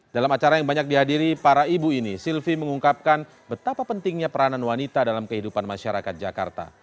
dalam acara yang banyak dihadiri para ibu ini silvi mengungkapkan betapa pentingnya peranan wanita dalam kehidupan masyarakat jakarta